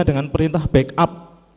dengan perintah backup